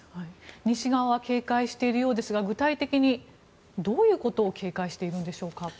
西側は警戒しているようですが具体的にどういうことを警戒しているんでしょうか？